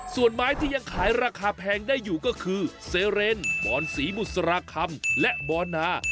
ส่วนไม้ที่ยังขายราคาแพงได้อยู่ก็คือเซเรนบอลศรีบุษราคำและบอลนา